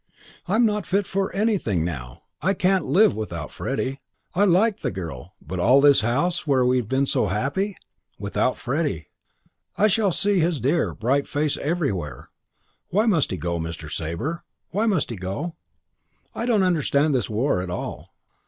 "I'm not fit for anything now. I can't live without Freddie. I like the girl; but all this house where we've been so happy ... without Freddie ... I shall see his dear, bright face everywhere. Why must he go, Mr. Sabre? Why must he go? I don't understand this war at all."